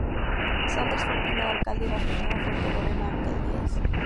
Sanders fue el primer alcalde bajo el nuevo "fuerte gobierno de alcaldías".